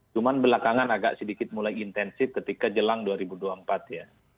cuma belakangan agak sedikit mulai intensif ketika jelang dua ribu dua puluh empat ya